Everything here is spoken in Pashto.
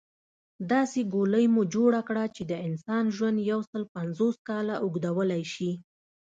داسې ګولۍ مو جوړه کړه چې د انسان ژوند يوسل پنځوس کاله اوږدولی شي